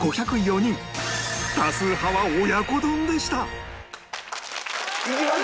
多数派は親子丼でした